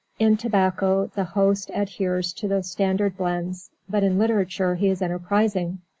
In tobacco the host adheres to the standard blends, but in literature he is enterprising.